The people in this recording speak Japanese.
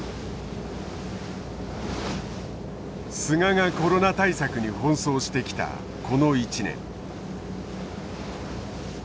菅がコロナ対策に奔走してきたこの１年。